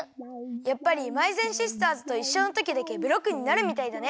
やっぱりまいぜんシスターズといっしょのときだけブロックになるみたいだね。